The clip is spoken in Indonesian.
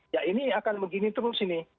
ya ini akan begini terus ini